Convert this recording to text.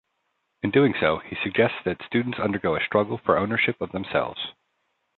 In doing so, he suggests that students undergo a struggle for ownership of themselves.